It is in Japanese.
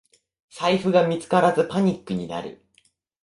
財布が見つからずパニックになる